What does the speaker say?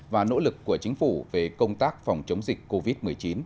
và nỗ lực của chính phủ về công tác phòng chống dịch covid một mươi chín